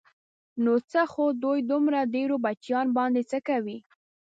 نو څه خو دوی دومره ډېرو بچیانو باندې څه کوي.